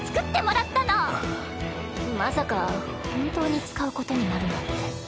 まさか本当に使うことになるなんて。